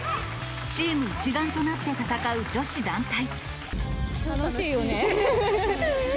チーム一丸となって戦う女子楽しいよね。